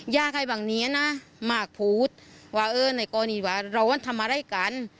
อยากให้บังเนียนะมากพูดว่าเออในกรณีว่าเรามันทำอะไรกัน